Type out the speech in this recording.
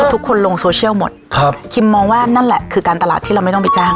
ทุกคนลงโซเชียลหมดครับคิมมองว่านั่นแหละคือการตลาดที่เราไม่ต้องไปจ้าง